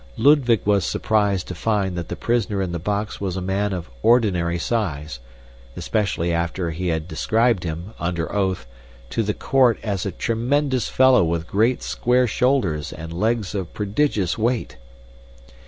Ludwig was surprised to find that the prisoner in the box was a man of ordinary size especially after he had described him, under oath, to the court as a tremendous fellow with great, square shoulders and legs of prodigious weight.